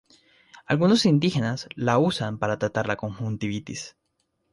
Algunos indígenas la usan para tratar la conjuntivitis.